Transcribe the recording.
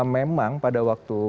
memang pada waktu